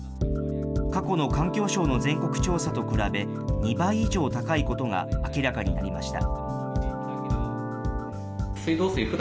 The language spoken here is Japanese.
過去の環境省の全国調査と比べ、２倍以上高いことが明らかになりました。